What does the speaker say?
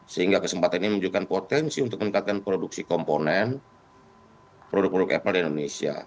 sehingga kesempatan ini menunjukkan potensi untuk meningkatkan produksi komponen produk produk apple di indonesia